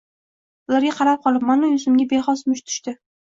Ularga qarab qolibmanmi, yuzimga bexos musht tushdi.